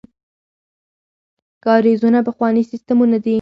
کاریزونه پخواني سیستمونه دي.